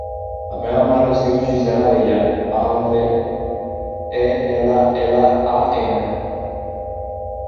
La meva mare es diu Gisela Abellan: a, be, e, ela, ela, a, ena.